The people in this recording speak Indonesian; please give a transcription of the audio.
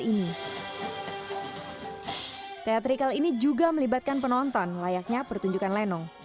kali ini teatri kalbabe juga melibatkan penonton layaknya pertunjukan leno